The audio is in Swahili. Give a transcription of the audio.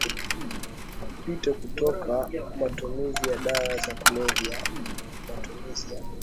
Mpito kutoka matumizi ya dawa za kulevya kwa matumizi ya